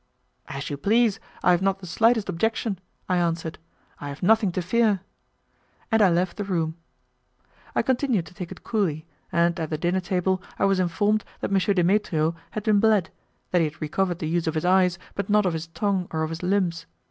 "As you please, I have not the slightest objection," I answered, "I have nothing to fear." And I left the room. I continued to take it coolly, and at the dinner table I was informed that M. Demetrio had been bled, that he had recovered the use of his eyes, but not of his tongue or of his limbs.